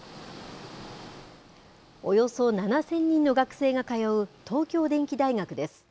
およそ７０００人の学生が通う東京電機大学です。